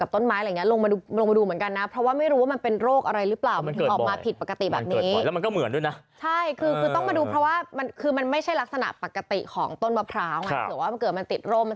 อันนี้พูดในแง่ของเกษตรกรนะ